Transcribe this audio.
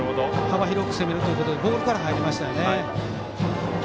幅広く攻めるということでボールから入りましたね。